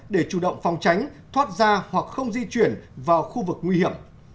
để chủ động phòng tránh thoát ra hoặc không di chuyển vào khu vực nguy hiểm